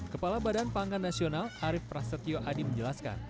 kepala badan pangan nasional arief prasetyo adi menjelaskan